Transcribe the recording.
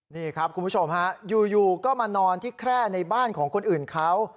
นี่ครับคุณผู้ชมฮะอยู่ก็มานอนที่แคร่ในบ้านของคนอื่นเขา